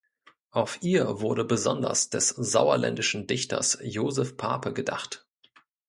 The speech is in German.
Auf ihr wurde besonders des sauerländischen Dichters Josef Pape gedacht.